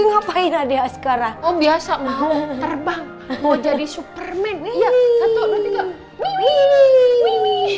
ngapain ada sekarang biasa mau terbang mau jadi superman